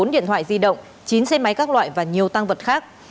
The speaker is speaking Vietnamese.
một mươi bốn điện thoại di động chín xe máy các loại và nhiều tăng vật khác